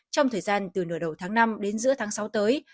trong thời gian từ nửa đầu tháng năm đến giữa tháng sáu tới